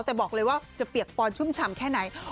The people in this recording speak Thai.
แต่บอกเลยว่าจะเปียกปอนชุ่มฉ่ำแค่ไหน